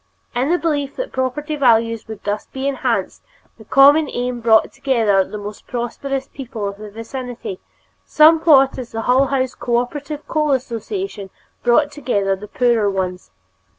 In the belief that property values would be thus enhanced, the common aim brought together the more prosperous people of the vicinity, somewhat as the Hull House Cooperative Coal Association brought together the poorer ones.